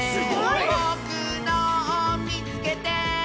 「ぼくのをみつけて！」